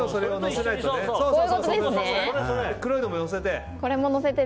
黒いのものせて。